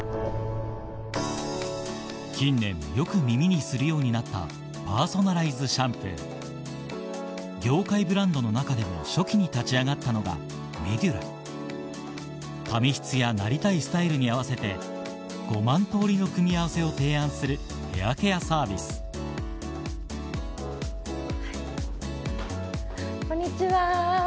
近年よく耳にするようになったパーソナライズシャンプー業界ブランドの中でも初期に立ち上がったのが髪質やなりたいスタイルに合わせて５万通りの組み合わせを提案するヘアケアサービスこんにちは。